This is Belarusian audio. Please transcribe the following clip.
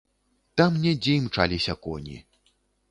Там недзе імчаліся коні.